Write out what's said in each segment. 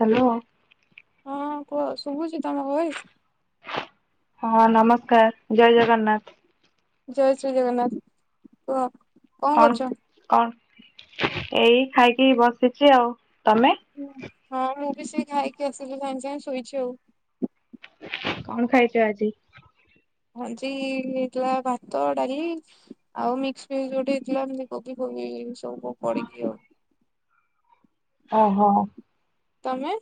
Hello. ହଁ କୁହ ଶୁଭୁଛି ତମ ଭଏସ? ହଁ ନମସ୍କାର ଜୟ ଜଗନ୍ନାଥ। ଜୟ ଶ୍ରୀ ଜଗନ୍ନାଥ କୁହ। କଣ କଣ ଏଇ ଖାଇକି ବସିଛି ଆଉ ତମେ? ହଁ ମୁଁ ବି ସେଇ ଖାଇକି ଆସିଲି ସାଙ୍ଗେ ସାଙ୍ଗେ ଶୋଇଛି ଆଉ। କଣ ଖାଇଛ ଆଜି? ଖାଇଚି ଚୁଆ ହେଇଥିଲା ଭାତ ଡାଲି ଆଉ ମିକ୍ସ ଭେଜ୍ ଗୋଟେ ହେଇଥିଲା ଏମତି କୋବି ଫୋବି ସବୁ ପଡିକି ଆଉ। ଓହୋ। ତମେ?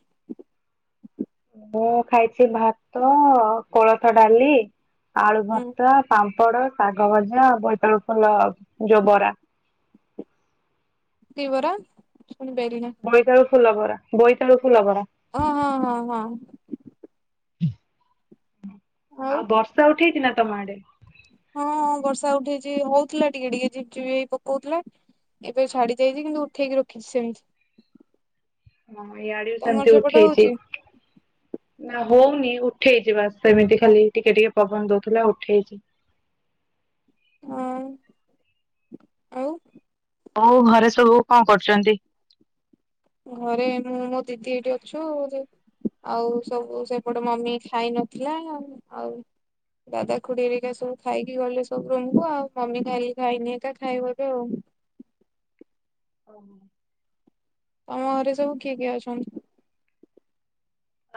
ମୁଁ ଖାଇଛି ଭାତ ଆଉ କୋଳଥ ଡାଲି, ଆଳୁ ହୁଁ ଭର୍ତା। ପାମ୍ପଡ, ଶାଗ ଭଜା, ଆଉ ବୋଇତଳୁ ଫୁଲ ଯୋଉ ବରା। କି ବରା ସୁଣିପାଇଲିନି? ବୋଇତାଳୁ ଫୁଲ ବରା ବୋଇତାଳୁ ଫୁଲ ବରା। ହଁ ହଁ ହଁ ହଁ। ଆଉ ବର୍ଷା ଉଠେଇଛି ନା ତମ ଆଡ଼େ? ହଁଁ ବର୍ଷା ଉଠେଇଛି ହଉଥିଲା ଟିକେ ଟିକେ ଝିପ୍ ଝିପି ଏଇ ପକଉଥିଲା। ଏବେ ଛାଡ଼ି ଯାଇଛି କିନ୍ତୁ ଉଠେଇକି ରଖିଛି ସେମତି। ହଁ ୟାଡେ ବି ତମର ସେମିତି ସେପଟେ ଉଠେଇଛି। ହଉଛି ନା ହଉନି ଉଠେଇଛି ବାଶ୍ ସେମିତି ଖାଲି ଟିକେ ଟିକେ ପବନ ଦଉଥିଲା ଉଠେଇଛି। ହଁ। ଆଉ ହଉ ଘରେ ସବୁ କଣ କରୁଛନ୍ତି? ଘରେ ମୁଁ ମୋ ଦିଦି ଏଇଠି ଅଛୁ। ଆଉ ସବୁ ସେପଟେ ମମି ଖାଇ ନଥିଲା ଆଉ ଦାଦା ଖୁଡ଼ିହେରିକା ସବୁ ଖାଇକି ଗଲେ ସବୁ ରୁମକୁ ଆଉ ମମି ଖାଇଲିି ଖାଇନି ଏକା ଖାଇବ ଏବେ ଆଉ। [unintelligible] ତମ ଘରେ ସବୁ କିଏ କିଏ ଅଛନ୍ତି?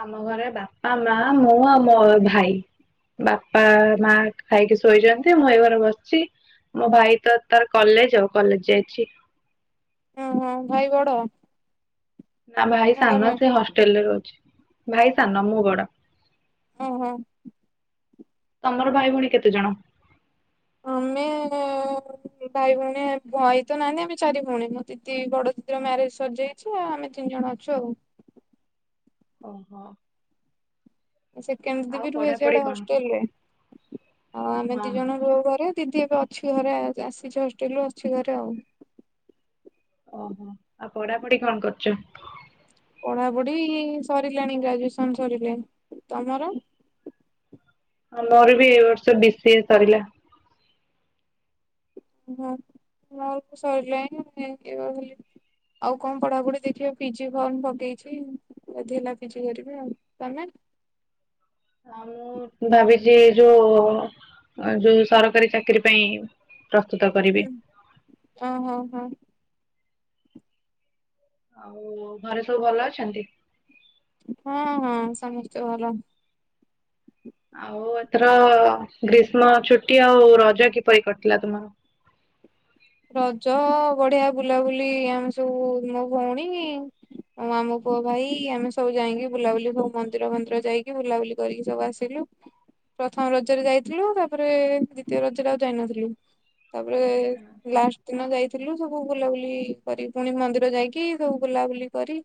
ଆମ ଘରେ ବାପା, ମା, ମୁଁ ଆଉ ମୋ ଭାଇ। ବାପା ମା ଖାଇକି ଶୋଇଛନ୍ତି ମୁଁ ଏ ଘରେ ବସିଛି। ମୋ ଭାଇ ତ ତାର କଲେଜ ଆଉ କଲେଜ ଯାଇଛି। ଓହୋ ଭାଇ ବଡ଼? ନା ଭାଇ ସାନ ସେ ହଷ୍ଟେଲରେ ରହୁଛି ଭାଇ ସାନ ମୁଁ ବଡ଼। ଓହୋ। ତମର ଭାଇ ଭଉଣୀ କେତେ ଜଣ? ଆମେ ଭାଇ ଭଉଣୀ ଭାଇ ତ ନାହାନ୍ତି ଆମେ ଚାରି ଭଉଣୀ ମୋ ଦିଦି ବଡ଼ ଦିଦିର ମ୍ୟାରେଜ ସରିଜାଇ ଛି ଆମେ ତିନି ଜଣ ଅଛୁ ଆଉ। ଓହୋ। ସେକେଣ୍ଡ ଦିଦି ଆଉ ବି ରୁହେ ପଢାପଢି ସ୍ୟାଡେ କଣ? ହଷ୍ଟେଲ ରେ ଆଉ ଆମେ ହଁ ହଁ ଦିଜଣ ରହୁ ଘରେ। ଦିଦି ଏବେ ଅଛି ଘରେ ଆସିଛି ହଷ୍ଟେଲୁ ଅଛି ଘରେ ଆଉ। ଓହୋ ଆଉ ପଢ଼ାପଢ଼ି କଣ କରୁଛ? ପଢ଼ାପଢ଼ି ସରିଲାଣି ଗ୍ରାଜୁଏସନ ସରିଲାଣି ତମର? ହଁ ମୋର ବି ଏ ବର୍ଷ ବି ସି ଏ ସରିଲା। ଓହୋ ମୋର ବି ସରିଲାଣି ମୁଁ ଏମତି [unintelligible] ଆଉ କଣ ପଢ଼ାପଢ଼ି ଦେଖିବା ପିଜି ଫର୍ମ ପକେଇଛି। ଯଦି ହେଲା ପିଜି କରିବି ଆଉ ତମେ? ହଁ ମୁଁ ଭାବିଛି ଯୋଉ ଯୋଉ ସରକାରୀ ଚାକିରିୀ ପାଇଁ ପ୍ରସ୍ତୁତ କରିବି। ହୁଁ। ଓହୋ ହୋ ଆଉ ଘରେ ସବୁ ଭଲ ଅଛନ୍ତି? ହଁ ହଁ ସମସ୍ତେ ଭଲ। ଆଉ ଏଥର ଗ୍ରୀଷ୍ମ ଛୁଟି ଆଉ ରଜ କିପରି କଟିଲା ତୁମର? ରଜ ବଢ଼ିଆ ବୁଲାବୁଲି ଆମେ ସବୁ ମୋ ଭଉଣୀ ଆଉ ଆମ ପୁଅ ଭାଇ ଆମେ ସବୁ ଯାଇକି ବୁଲାବୁଲି ସବୁ ମନ୍ଦିର ମନ୍ଦିର ଯାଇକି ବୁଲାବୁଲି କରିକି ସବୁ ଆସ ସିଲୁ। ପ୍ରଥମ ରଜରେ ଯାଇଥିଲୁ ତାପରେ ଦ୍ଵିତୀୟ ରଜରେ ଆଉ ଯାଇନଥିଲୁ ତାପରେ ଲାଷ୍ଟ ଦିନ ଯାଇଥିଲୁ ସବୁ ବୁଲାବୁଲି କରି ପୁଣି ମନ୍ଦିର ଯାଇକି ସବୁ ବୁଲାବୁଲି କରି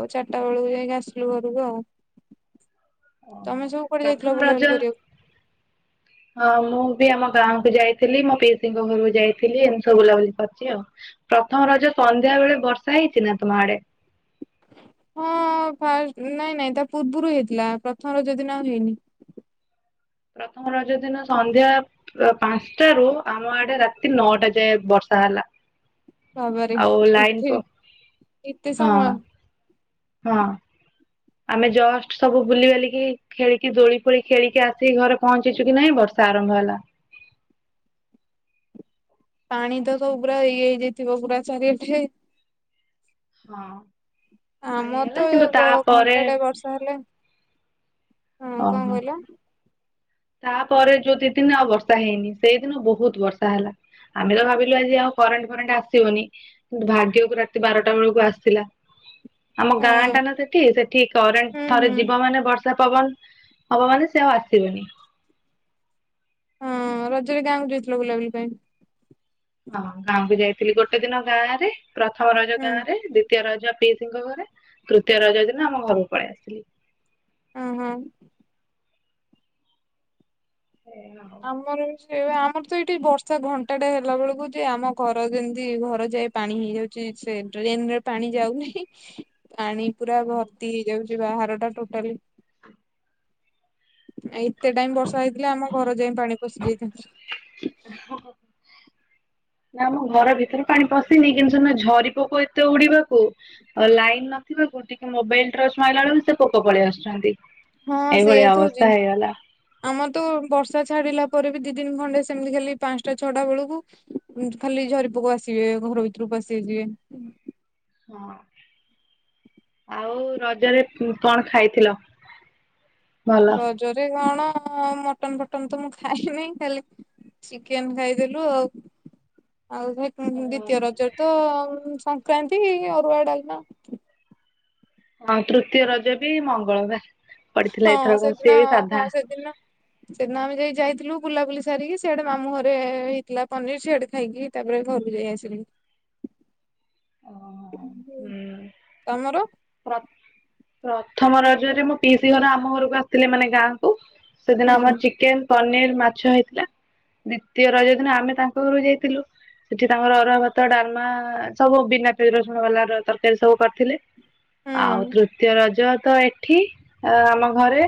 ଆଉ ଚାରିଟା ବେଳକୁ ଯାଇକି ଆସିଲୁ ଘରୁକୁ ଆଉ। ଆ ତମେ ସବୁ କୁଆଡେ ଯାଇଥିଲ ପ୍ରଥମ ବୁଲାବୁଲି ରାଜା କରିବାକୁ? ହଁ ମୁଁ ବି ଆମ ଗାଁ କୁ ଯାଇଥିଲି। ମୋ ପିଇସିଙ୍କ ଘରକୁ ଯାଇଥିଲି। ଏମିତି ସବୁ ବୁଲାବୁଲି କରିଚି ଆଉ। ପ୍ରଥମ ରଜ ସନ୍ଧ୍ୟା ବେଳେ ବର୍ଷା ହେଇଚି ନା ତମ ଆଡେ? ହଁ ଫାଷ୍ଟ ନାଇଁ ନାଇଁ ତା ପୂର୍ବରୁ ହେଇଥିଲା ପ୍ରଥମର ରଜ ଦିନ ଆଉ ହେଇନି। ପ୍ରଥମ ରଜ ଦିନ ସନ୍ଧ୍ୟା ପୁର ପାଞ୍ଚଟାରୁ ଆମ ଆଡେ ରାତି ନଅଟା ଯାଏ ବର୍ଷା ହେଲା। ବାବରେ ଆଉ ଲାଇନ ପ ଏତେ ଏତେ ହଁ ସମୟ। ହଁ ଆମେ ଜଷ୍ଟ ସବୁ ବୁଲି ବାଲିକି ଖେଳିକି ଦୋଳି ଫୋଳି ଖେଳିକି ଆସିକି ଘରେ ପହଞ୍ଚିଚୂ କି ନାଇଁ ବର୍ଷା ଆରମ୍ଭ ହେଲା। ପାଣି ତ ସବୁ ପୁରା ଇଏ ହେଇଯାଇଥିବ ପୁରା ଚାରିଆଟେ ହଁ ପାଣି ଆମ ହେଲା ତ କିନ୍ତୁ ଗ ତାପରେ ଘଣ୍ଟା ଟେ ବର୍ଷ ତାହେଲେ ହଁ ଓହୋ କଣ କହିଲ? ତାପରେ ଯୋଉ ଦି ଦିନ ଆଉ ବର୍ଷା ହେଇନି। ସେଇଦିନ ବହୁତ ବର୍ଷା ହେଲା। ଆମେ ତ ଭାବିଲୁ ଆଜି ଆଉ କରେଣ୍ଟ ଫରେଣ୍ଟ ଆସିବନି। ଭାଗ୍ୟକୁ ରାତି ବାରଟା ବେଳକୁ ଆସିଲା। ଆମ ହଁ ଗାଁ ଟା ନା ସେଠି। ସେଠି କରେଣ୍ଟ ହୁଁ ଥରେ ହୁଁ। ଯିବ ମାନେ ବର୍ଷ ର୍ଷା ପବନ ହବ ମାନେ ସେ ଆଉ ଆସିବେନି। ହଁ ରଜରେ ଗାଁକୁ ଯାଇଥିଲ ବୁଲାବୁଲି ପାଇଁ? ହଁ ଗାଁକୁ ଯାଇଥିଲି ଗୋଟେ ଦିନ ଗାଁ ରେ। ପ୍ରଥମ ରଜ ହୁଁ ଗାଁ ରେ। ଦି ତୀୟ ରଜ ପିଇସିଙ୍କ ଘରେ। ତୃତୀୟ ରଜ ଦିନ ଆମ ଘରକୁ ପଳେଇ ଆସିଥିଲି। ଅ ହୋ। ଆମର ବି ଏ ଆମର ତ ଏଇଠି ବର୍ଷା ଘଣ୍ଟା ଟେ ହେଲା ବେଳକୁ ଯେ ଆମ ଘର ଯେମିତି ଘର ଯାଇ ପାଣି ହେଇଯାଉଚି। ସେ ଡ୍ରେନରେ ପାଣି ଯାଉନାହିଁ ପାଣି ପୁରା ଭର୍ତ୍ତି ହେଇଯାଉଚି ବାହାର ଟା ଟୋଟାଲି। ଆ ଏତେ ଟାଇମ ବର୍ଷା ହେଇଥିଲେ ଆମ ଘର ଯାଇ ପାଣି ପଶି ଯାଇଥାନ୍ତା। ହଁ। ନା ଆମ ଘର ଭିତରେ ପାଣି ପଶିନି କିନ୍ତୁ ସ ଝରି ପୋକ ଏତେ ଉଡିବାକୁ ଲାଇନ ନଥିବାକୁ ଟିକେ ମୋବାଇଲ ଟର୍ଚ୍ଚ ମାରିଲା ବେଳକୁ ସେ ପୋକ ପଳେଇ ଆସୁଛନ୍ତି। ହଁ ସେଇଆ ଏଇଭଳିଆ ତ ହଉଛି। ଅବସ୍ଥା ହେଇଗଲା। ଆମର ତ ବର୍ଷା ଛାଡିଲା ପରେ ବି ଦି ଦିନ ଖଣ୍ଡେ ସେମିତି ଖାଲି ପାଞ୍ଚଟା ଛଅଟା ବେଳକୁ ଖାଲି ଝରି ପକ ଆସିଯିବେ। ଘର ଭିତରକୁ ପସି ଯିବେ ହଁ। ଆଉ ରଜରେ କଣ ଖାଇଥିଲ? ଭଲ? ରଜରେ କଣ ମଟନ ଫଟନ ତ ମୁଁ ଖାଇନି ଖାଲି ଚିକେନ ଖାଇଦେଲୁ ଆଉ ଆଉ ହୁଁ ଦ୍ଵିତୀୟ ରଜରେ ତ ସଂକ୍ରାନ୍ତି ଅରୁଆ ଡ଼ାଲମା। ହଁ ତୃତୀୟ ରଜ ବି ମଙ୍ଗଳ ବାର। ହଁ ସେଦିନ, ହଁ ସେଦିନ ସେଦିନ ଆମେ ଯାଇ ଯାଇଥିଲୁ ବୁଲାବୁଲି ସାରିକି ସିଆଡ଼େ ମାମୁ ଘରେ ହେଇଥିଲା ପନିର ସିଆଡ଼େ ଖାଇକି ତାପରେ ଘରୁକୁ ଯାଇ ଆସିଲି। [inaudible] ତମର? ପ୍ରଥ ପ୍ରଥମ ରଜରେ ମୋ ପିଇସି ଘର ଆମ ଘରକୁ ଆସିଥିଲେ। ମାନେ ଗାଁ ଓହ୍‌ ହୁଁ ସେଦିନ ହୁଁ ଆମର ଚିକେନ୍‌, ପନିର୍, ମାଛ ହେଇଥିଲା। ଦ୍ଵିତୀୟ ରଜ ଦିନ ଆମେ ତାଙ୍କ ଘରକୁ ଯାଇଥିଲୁ। ସେଠି ତାଙ୍କର ଅରୁଆ ଭାତ ଡ଼ାଲମା ସବୁ ବିନା ତେଲ ରସୁଣ ବାଲା ର ତରକାରୀ ସବୁ କରିଥିଲେ। ଆଉ ହଁ ତୃତୀ ଦ୍ଵିତୀୟ ରଜ ତ ଏଠି ଅ ଆମ ଘରେ।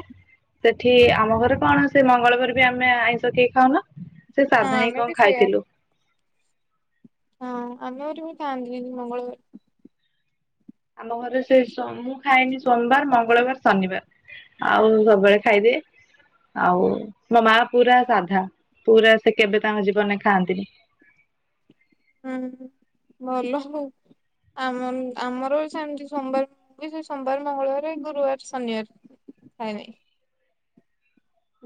ସେଠି ଆମ ଘରେ କଣ ସେ ମଙ୍ଗଳ ବାର ବି ଆମେ ଆଇଁଷ କିଏ ଖାଉନୁ। ସେ ସାଧା ହିଁ ଆମେ ବି କଣ ସେଇଆ ଖାଇଥିଲୁ। ହଁ ଆମେ ବି ଖାଆନ୍ତିି ମଙ୍ଗଳ ବାର। ଆମ ଘରେ ସେଇ ସମୁ ଖାଇନି ସୋମବାର, ମଙ୍ଗଳବାର, ଶନିବାର ଆଉ ସବୁବେଳେ ଖାଇଦିଏ। ଆଉ ମୋ ମା ପୁରା ସାଧା ପୁରା ସେ କେବେ ତାଙ୍କ ଜୀବନରେ ଖାଆନ୍ତିନି। ହୁଁ ଭଲ ହଉ। ଆମ ଆମର ସେମିତି ସୋମବାର ସେ ସୋମବାର, ମଙ୍ଗଳବାର, ଗୁରୁବାରେ, ଶନିବାରେ ଖାଇବି।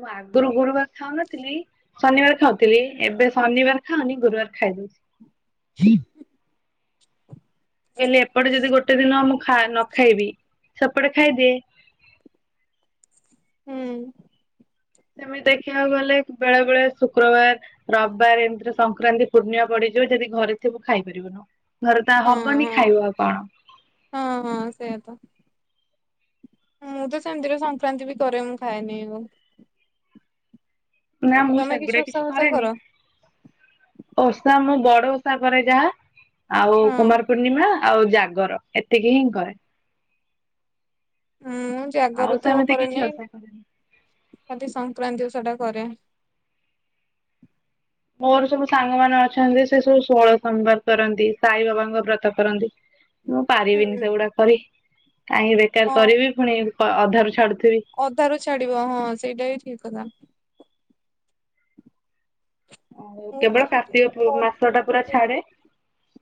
ମୁଁ ଆଗରୁ ଗୁରୁବାର ଖାଉନଥିଲି। ଶନିବାର ଖାଉଥିଲି ଏବେ ଶନିବାର ଖାଉନି ଗୁରୁବାର ଖାଇ ଦଉଛି। ହେଲେ ଏପଟେ ଯଦି ଗୋଟେ ଦିନ ମୁଁ ନ ଖାଇବି ସେପଟେ ଖାଇଦିଏ। ହୁଁ। ସେମିତି ଦେଖିବାକୁ ଗଲେ ବେଳେ ବେଳେ ଶୁକ୍ରବାର ରବିବାର ଏମିତିରେ ସଂକ୍ରାନ୍ତି ପୂର୍ଣ୍ଣିମା ପଡ଼ିଯିବ ଯଦି ଘରେ ଥିବୁ ଖାଇପାରିବୁନୁ। ଘରେ ତ ହଁ ହବନି ହଁ ଖାଇବ ଆଉ କଣ? ହଁ, ହଁ ସେଇଆ ତ। ମୁଁ ତ ସେମିତିରେ ସଂକ୍ରାନ୍ତି ବି କରେ ମୁଁ ଖାଏ ନି ଆଉ। ନା ମୁଁ ତମେ ସେଗୁଡିଏ କିଛି ଓଷା ଫୋଷା କରେନି। କର? ଓଷା ମୁଁ ବଡ଼ ଓଷା କରେ ଯାହା ଆଉ ହଁ କୁମାର ପୂର୍ଣ୍ଣିମା ଆଉ ଜାଗର ଏତିକି ହିଁ କରେ। ମୁଁ ଜାଗର ଆଉ ତ ସେମିତି କରେନି କିଛି ଓଷା କରେନି। ଖାଲି ସଂକ୍ରାନ୍ତି ଓଷା ଟା କରେ। ମୋର ସବୁ ସାଙ୍ଗ ମାନ ଅଛନ୍ତି ସେ ସବୁ ଷୋହଳ ସୋମବାର କରନ୍ତି ସାଇ ବାବାଙ୍କ ବ୍ରତ କରନ୍ତି। [unintelligible] ମୁଁ ପାରିବିନି ହୁଁ ସେଗୁଡ଼ାକ କରି କାହିଁକି ବେକାର ହଁ କରିବି ପୁଣି ଅଧାରୁ ଛାଡ଼ୁଥିବି। ଅଧାରୁ ଛାଡ଼ିବ ହଁ ସେଇଟା ବି ଠିକ୍ କଥା। ଆଉ ମୁଁ ବି କେବଳ ସେମିତି କାର୍ତ୍ତିକ ମାସ କହୁଥିଲେ ଟା ମତେ ପୁରା କରିବି ଛାଡ଼େ।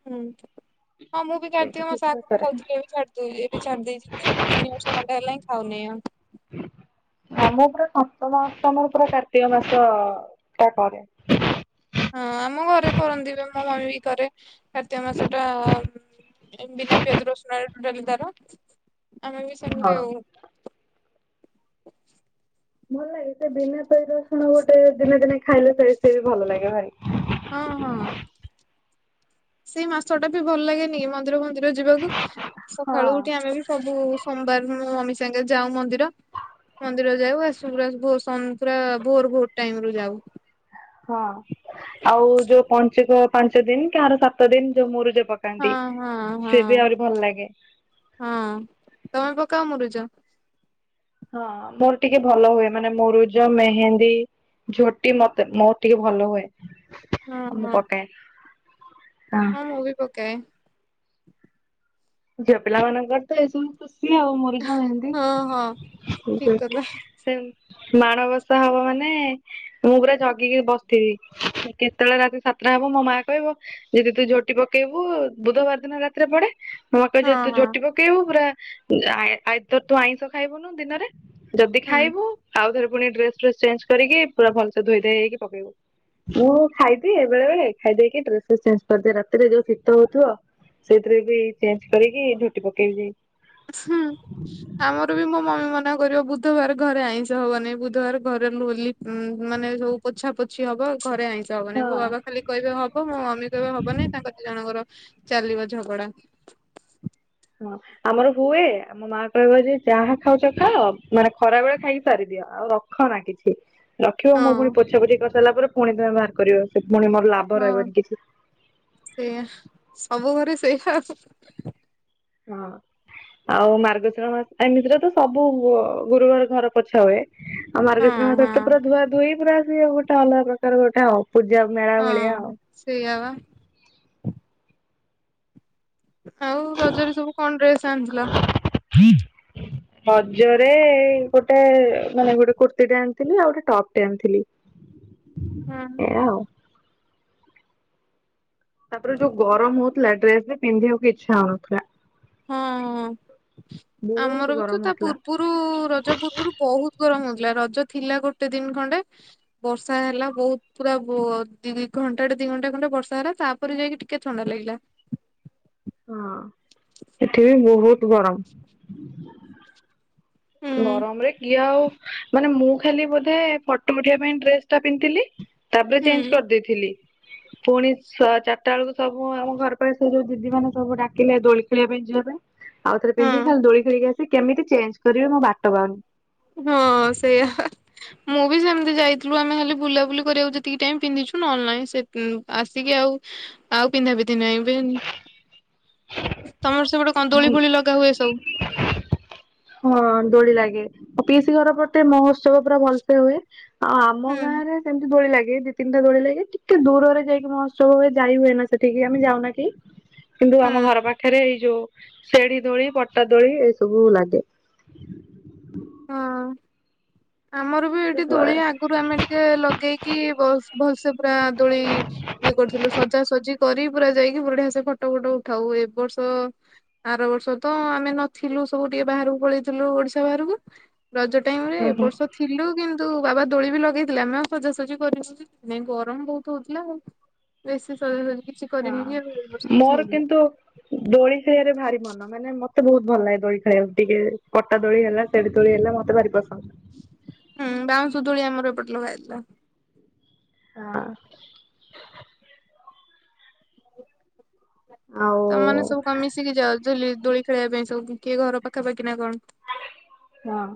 ହୁଁ ହଁ ମୁଁ ବି ସେଇଠି କାର୍ତ୍ତିକ ଠିକ ମାସ ସେ ଆଗରୁ କରେ। ଖାଉଥିଲି ଏବେ ଛାଡ଼ି ଏବେ ଛାଡ଼ି ଦେଇଛି। ତିନି ବର୍ଷ ଖଣ୍ଡେ ହେଲା ହିଁ ଖାଉନି ଆଉ। କାମ ପୁରା ସପ୍ତମ ଅଷ୍ଟମର ପୁରା କାର୍ତ୍ତିକ ମାସ ଟା କରେ। ହଁ ଆମ ଘରେ କରନ୍ତି ବି ମୋ ମମି ବି କରେ କାର୍ତ୍ତିକ ମାସ ଟା ବିନା ପିଆଜ ରସୁଣରେ ଟୋଟାଲି ତାର ଆମେ ବି ହଁ। ସେମିତି ହେଉ। ଭଲ ଲାଗେ ସେ ବିନା ପିଆଜ ରସୁଣ ଗୋଟେ ଦିନେ ଦିନେ ଖାଇଲେ ସେ ସେ ବି ଭଲ ଲାଗେ ଭାଇ। ହଁ, ହଁ ସେଇ ମାସ ଟା ବି ଭଲ ଲାଗେନି ମନ୍ଦିର ପନ୍ଦିର ଯାଇ ଯିବାକୁ ସକାଳୁ ହଁ। ଉଠି ଆମେ ବି ସବୁ ସୋମବାର ମମି ସାଙ୍ଗେ ଯାଉ ମନ୍ଦିର। ମନ୍ଦିର ଯାଉ ଆସୁ ପୁରା ଭୋର୍ ସନ୍ ପୁରା ଭୋର୍ ‌ଭୋର୍‌ ଟାଇମ୍‌ରୁ ଯାଉ। ହଁ ଆଉ ଯୋଉ ପଞ୍ଚିକ ପାଞ୍ଚ ଦିନ କି କାହାର ସାତ ଦିନ ଯୋଉ ମୁରୁଜ ପକା ନ୍ତି ହଁ ହଁ ହଁ ସେ ବି ଆହୁରି ଭଲ ଲାଗେ। ହଁ ତମେ ପକାଓ ମୁରୁଚ? ହଁ ମୋର ଟିକେ ଭଲ ହୁଏ ମାନେ ମୁରୁଜ ମେହେନ୍ଦୀ। ଝୋଟି ମତେ ମୋର ଟିକେ ଭଲ ହୁଏ ହଁ ହଁ ମୁଁ ପକାଏ। ହଁ ମୁଁ ବି ପକାଏ। ଝିଅ ପିଲା ମାନଙ୍କର ତ ଏସବୁ ଖୁସି ଆଉ ମୁରୁଜ ମେହେନ୍ଦି ହଁ ହଁ ଠିକ କଥା [unintelligible] ସେ ମାଣବସା ହବ ମାନେ ମୁଁ ପୁରା ଜଗିକି ବସିଥିବି କେତେବେଳେ ରାତି ସାତଟା ହବ ମୋ ମା କହିବ ଯଦି ତୁ ଝୋଟି ପକେଇବୁ ବୁଧବାର ଦିନ ରାତିରେ ପଡେ। ହଁ ତୁ ଯଦି ଝୋଟି ପକେଇବୁ ପୁରା ଆଇଦର ତୁ ଆଇଁଷ ଖାଇବୁନି ଦିନରେ। ଯଦି ହୁଁ ଖାଇବୁ ଆଉଥରେ ପୁଣି ଡ୍ରେସ ଫ୍ରେସ୍ ଚେଞ୍ଜ କରିକି ପୁରା ଭଲସେ ଧୁଇ ଧାଇ ହେଇକି ପକେଇବୁ। ମୁଁ ଖାଇଦିଏ ବେଳେ ବେଳେ ଖାଇଦେଇକି ଡ୍ରେସ ଚେଞ୍ଜ କରିଦିଏ ରାତିରେ ଯୋଉ ଶୀତ ହଉଥିବ। ସେଇଥିରେ ବି ଚେଞ୍ଜ କରିକି ଝୋଟି ପକେଇବି ଯାଇ। ହୁଁ। ଆମର ବି ମୋ ମମି ମନା କରିବ ବୁଧବାର ଘରେ ଆଇଁଷ ହବନି ବୁଧବାର ଘରେ ରୁଲି ଉଁ ମାନେ ସବୁ ପୋଛା ପୋଛି ହବ ଘରେ ଆଇଁସ ହବନି ମୋ ହଁ। ବାବା ଖାଲି କହିବେ ହବ ମୋ ମମି କହିବ ହବନି ତାଙ୍କ ଦିଜଣଙ୍କର ଚାଲିବ ଝଗଡା। ହଁ ଆମର ହୁଏ। ମୋ ମା କହିବ ଯେ ଯାହା ଖାଉଛ ଖାଅ ମାନେ ଖରା ବେଳେ ଖାଇକି ସାରିଦିଅ ଆଉ ରଖ ନା କିଛି। ରଖିବ ମୁଁ ପୁଣି ହଁ ପୋଛା ପୋଛି କରିସାରିଲା ପରେ ପୁଣି ତୁମେ ବାହାର କରିବ ସେ ପୁଣି ମୋର ଲାଭ ହଁ ରହିବନି କିଛି। ସେଇଆ ସବୁ ଘରେ ସେଇଆ। ହଁ। ଆଉ ମାର୍ଗଶିର ମାସ ଏମିତିରେ ତ ସବୁ ଗୁରୁବାର ଘର ପୋଛା ହୁଏ। ଆଉ ମାର୍ଗଶୀର ମାସ ପୁରା ଧୁଆ ଧୁଇ ପୁରା ସେ ଗୋଟେ ଅଲଗା ପ୍ରକାର ଗୁଟେ ଆଉ ପୂଜା ମା ହଁ ସେୟା ବା। ଆଉ ରଜରେ ସବୁ କଣ ଡ୍ରେସ ଆଣିଥିଲ? ନ [inaudible] ରଜରେ ଗୋଟେ ମାନେ ଗୋଟେ କୁର୍ତ୍ତୀଟେ ଆଣିଥିଲି ଆଉ ଗୋଟେ ଟପ୍ ଟେ ଆଣିଥିଲି। ହ [unintelligible] ହଁ। ତାପରେ ଯୋଉ ଗରମ ହଉଥିଲା ଡ୍ରେସ ବି ପିନ୍ଧିବାକୁ ଇଚ୍ଛା ହଉନଥିଲା। ହଁ ବହୁତ ଆମର ବି ତୁ ଗରମ ତା ହଉଥିଲା ପୂର୍ ପୂର୍ବୁରୁ ରଜ ପୂର୍ବରୁ ବହୁତ ଗରମ ହଉଥିଲା ରଜ ଥିଲା ଗୋଟେ ଦିନି ଖଣ୍ଡେ। ବର୍ଷା ହେଲା ବହୁତ ପୁରା ଦି ଘଣ୍ଟାଟେ ଦି ଘଣ୍ଟା ଖଣ୍ଡେ ବର୍ଷା ହେଲା ତା ପରେ ଯାଇକି ଟିକେ ଥଣ୍ଡା ଲାଗିଲା। ହଁ ଏଠି ବି ବହୁତ ଗରମ। ହୁଁ ଗରମରେ କିଏ ଆଉ ମାନେ ମୁଁ ଖାଲି ବୋଧେ ଫଟୋ ଉଠେଇବା ପାଇଁ ଡ୍ରେସ ଟା ପିନ୍ଧିଥିଲି। ତାପରେ ହୁଁ ଚେଞ୍ଜ କରିଦେଇଥିଲି। ପୁଣି ଚାରିଟା ବେଳକୁ ସବୁ ଆମ ଘର ପାଇଁ ସେ ଯୋଉ ଦିଦି ମାନେ ସବୁ ଡାକିଲେ ଦୋଳି ଖେଳିବା ପାଇଁ ଯିବା ପାଇଁ। ଆଉ ଥରେ ହଁ ପିନ୍ଧିକି ଖାଲି ଦୋଳି ଖେଳିକି ଆସିକି କେମିତି ଚେଞ୍ଜ କରିବି ମୁଁ ବାଟ ପାଉନି। ହଁ ସେଇଆ। ମୁଁ ବି ସେମିତି ଯାଇଥିଲୁ ଆମେ ଖାଲି ବୁଲାବୁଲି କରିବାକୁ ଯେତିକି ଟାଇମ ପିନ୍ଧିଚୁ ନହେଲେ ନାଇଁ ସେ ଆସିକି ଆଉ ଆଉ ପିନ୍ଧା ପିନ୍ଧି ନାଇ ଏବେ ତମର ସେପଟେ ହଁ ଦୋଳି ଫୁଳି ଲଗା ହୁଏ ସବୁ। ହଁ ଦୋଳି ଲାଗେ ଆଉ ପିଇସି ଘର ପ ସେଠି ମହୋତ୍ସବ ପୁରା ଭଲସେ ହୁଏ ଆଉ ଆମ ହୁଁ। ଗାଁରେ ସେମିତି ଦୋଳି ଲାଗେ ଦିତିନିଟା ଦୋଳି ଲାଗେ ଟିକେ ଦୁରରେ ଯାଇକି ମହୋତ୍ସବ ହୁଏ ଯାଇ ହୁଏନା ସେଠିକି ଆମେ ଯାଉନା କେହି। କିନ୍ତୁ ଆମ ହୁଁ ଘର ପାଖରେ ଏଇ ଯୋଉ ସେଡି ଦୋଳି ପଟା ଦୋଳି ଏଇ ସବୁ ଲାଗେ। ହଁ ଆମର ବି ଏଠି ଦୋଳି ଓହୋ ଆଗ ରୁ ଆମେ ଟିକେ ଲଗେଇକି ଭଲ ଭଲସେ ପୁରା ଦୋଳି ଇଏ କରୁଥିଲୁ ସଜାସଜି କରି ପୁରା ଯାଇକି ପୁରା ଢିଆସ ଫଟ ଫଟ ଉଠାଉ ଏ ବର୍ଷ ଆର ବର୍ଷ ତ ଆମେ ନଥିଲୁ ସବୁ ଟିକେ ବାହାରକୁ ପଳେଇଥିଲୁ ଓଡିଶା ବାହାରକୁ। ରଜ ଟାଇମ୍ ରେ ଏବ ବର୍ଷ ଥିଲୁ କିନ୍ତୁ ତୁ ବାବା ଦୋଳି ବି ଲଗେଇଥିଲେ ଆମେ ଆଉ ସଜାସଜି କରିଛୁ ଗରମ ବହୁତ ହଉଥିଲା ଆଉ। ବେଶୀ ସଜା ସଜି କିଛି କରିନୁ କି ଏ ବର୍ଷ ହଁ କିଛି ମୋର ହେଇନି କିନ୍ତୁ ଦୋଳି ଖେଳିବାରେ ଭାରି ମନ। ମାନେ ମତେ ବହୁତ ଭଲ ଲାଗେ ଦୋଳି ଖାଇବାକୁ ଟିକେ କଟା ଦୋଳି ହେଲା ସେଢ ଦୋଳି ହେଲା ମତେ ଭାରି ପସନ୍ଦ। ହୁଁ ବାଉଁଶ ଦୋଳି ଆମର ଏପଟେ ଲଗା ହେଥିଲା। ହଁ। ହଁ ଆଉ ତମେମାନେ ସବୁ କାମ ମିଶିକି ଯାଉଅଲି ଦୋଳି ଖେଳିବା ପାଇଁ ସବୁ କିଏ ଘର ପାଖାପାଖି ନା କଣ। ହଁ।